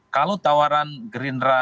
kalau tawaran gerinda